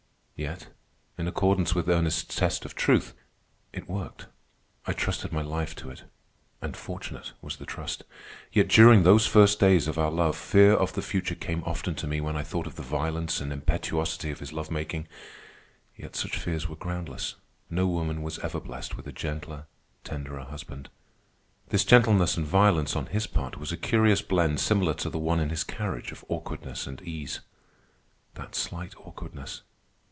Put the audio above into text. Yet, in accordance with Ernest's test of truth, it worked. I trusted my life to it. And fortunate was the trust. Yet during those first days of our love, fear of the future came often to me when I thought of the violence and impetuosity of his love making. Yet such fears were groundless. No woman was ever blessed with a gentler, tenderer husband. This gentleness and violence on his part was a curious blend similar to the one in his carriage of awkwardness and ease. That slight awkwardness!